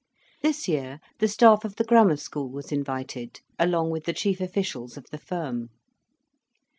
This year the staff of the Grammar School was invited, along with the chief officials of the firm.